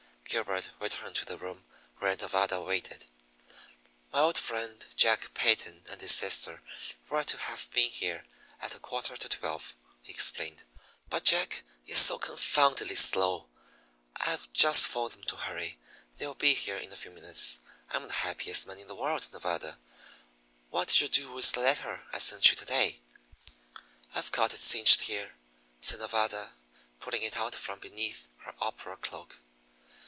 Gilbert returned to the room where Nevada waited. "My old friend, Jack Peyton, and his sister were to have been here at a quarter to twelve," he explained; "but Jack is so confoundedly slow. I've just 'phoned them to hurry. They'll be here in a few minutes. I'm the happiest man in the world, Nevada! What did you do with the letter I sent you to day?" "I've got it cinched here," said Nevada, pulling it out from beneath her opera cloak.